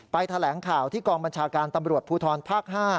แถลงข่าวที่กองบัญชาการตำรวจภูทรภาค๕